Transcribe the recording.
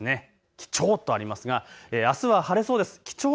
いちばん上、貴重とありますが、あすは晴れそうです。